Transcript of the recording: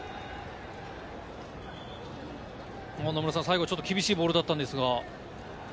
野村さん、最後厳しいボールだったんですが？